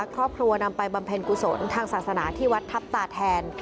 ครอบครัวนำไปบำเพ็ญกุศลทางศาสนาที่วัดทัพตาแทน